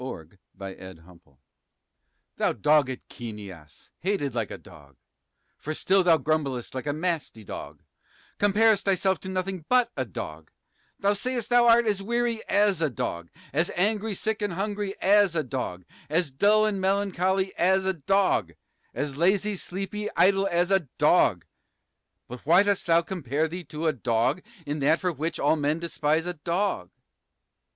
TROWBRIDGE. IN CINEAM Thou dogged Cineas, hated like a dog, For still thou grumblest like a masty dog, Compar'st thyself to nothing but a dog; Thou say'st thou art as weary as a dog, As angry, sick, and hungry as a dog, As dull and melancholy as a dog, As lazy, sleepy, idle as a dog. But why dost thou compare thee to a dog In that for which all men despise a dog?